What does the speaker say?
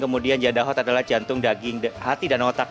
kemudian janda hot adalah jantung daging hati dan otak